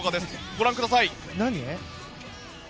ご覧ください。